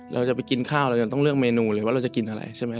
เราจะไปกินข้าวเรายังต้องเลือกเมนูเลยว่าเราจะกินอะไรใช่ไหม